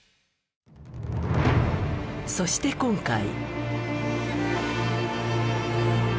そして今回。